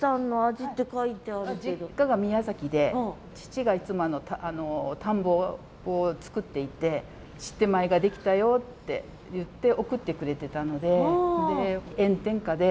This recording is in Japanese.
実家が宮崎で父がいつも田んぼを作っていてシッテ米ができたよっていって送ってくれてたので。